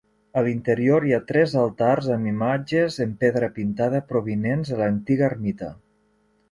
A l'interior hi ha tres altars amb imatges en pedra pintada provinents de l'antiga ermita.